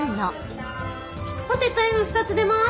ポテトＭ２つ出ます。